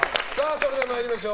それでは参りましょう。